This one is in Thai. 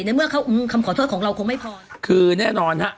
ในเมื่อเขาคำขอโทษของเราคงไม่พอคือแน่นอนฮะ